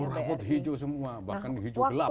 oh raport hijau semua bahkan hijau gelap